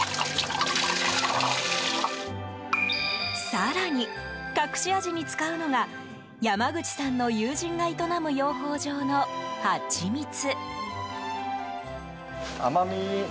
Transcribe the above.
更に、隠し味に使うのが山口さんの友人が営む養蜂場のハチミツ。